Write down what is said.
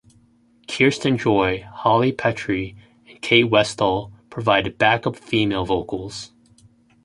Kirsten Joy, Holly Petrie and Kate Westall provided backup female vocals.